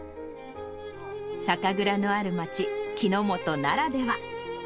酒蔵のある町、木之本ならでは。